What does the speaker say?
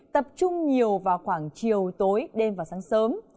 tập trung nhiều vào khoảng chiều tối đêm và sáng sớm